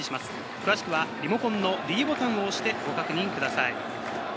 詳しくはリモコンのｄボタンを押してご確認ください。